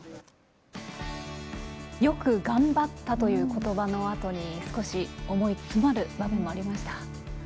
よく頑張ったという言葉のあとに少し思いが詰まる場面もありました。